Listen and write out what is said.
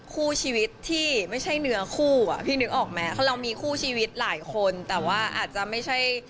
คู่ชีวิตที่ไม่ใช่เนื้อคู่อ่ะพี่นึกออกไหมคือเรามีคู่ชีวิตหลายคนแต่ว่าอาจจะไม่ใช่